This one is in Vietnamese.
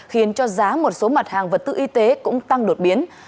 khiến cho giá một số mặt hàng vật tư y tế cũng tăng đột biến